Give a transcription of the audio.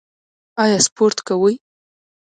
ایا سپورت کوئ؟